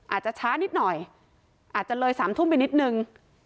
อาจจะช้านิดหน่อยอาจจะเลย๓ทุ่มไปนิดนึง